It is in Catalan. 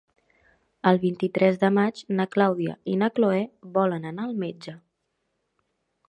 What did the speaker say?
El vint-i-tres de maig na Clàudia i na Cloè volen anar al metge.